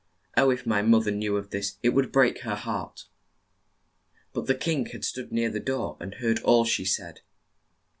Oh, if my moth er knew of this it would break her heart !'' But the king had stood near the door and heard all she said.